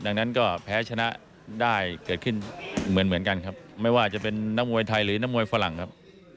ดังนั้นก็แพ้ชนะได้เกิดขึ้นเหมือนกันครับไม่ว่าจะเป็นนักมวยไทยหรือนักมวยฝรั่งครับ